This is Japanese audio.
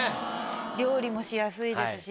料理もしやすいですし。